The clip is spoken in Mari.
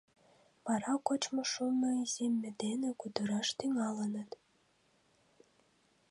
Вара, кочмо шумо иземме дене, кутыраш тӱҥалыныт.